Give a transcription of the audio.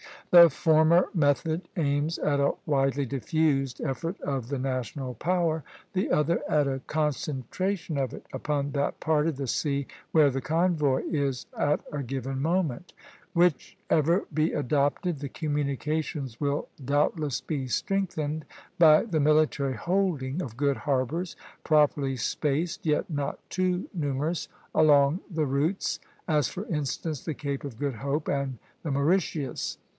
The former method aims at a widely diffused effort of the national power, the other at a concentration of it upon that part of the sea where the convoy is at a given moment. Whichever be adopted, the communications will doubtless be strengthened by the military holding of good harbors, properly spaced yet not too numerous, along the routes, as, for instance, the Cape of Good Hope and the Mauritius.